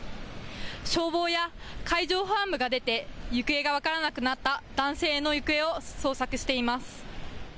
消防や海上保安部が出て行方が分からなくなった男性の行方を捜索しています。